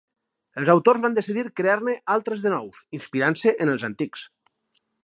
Els autors van decidir crear-ne altres de nous, inspirant-se en els antics.